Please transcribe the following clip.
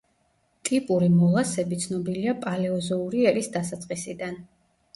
ტიპური მოლასები ცნობილია პალეოზოური ერის დასაწყისიდან.